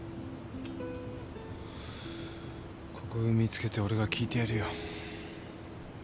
国府見つけて俺が聞いてやるよ。